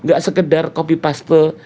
nggak sekedar copy paste